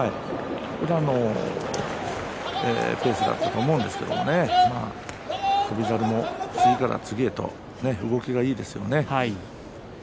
宇良も攻勢だったと思うんですが翔猿も次から次へと動きがいいですよね。